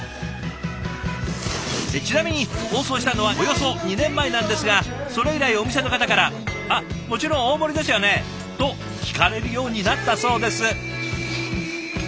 ちなみに放送したのはおよそ２年前なんですがそれ以来お店の方から「あっもちろん大盛りですよね？」と聞かれるようになったそうです。